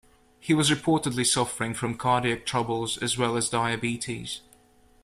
He was reportedly suffering from cardiac troubles, as well as diabetes.